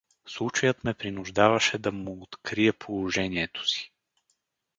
Случаят ме принуждаваше да му открия положението си.